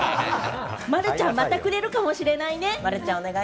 丸ちゃん、またくれるかもしれないね。